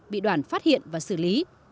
bị đoàn phát hiện và xử lý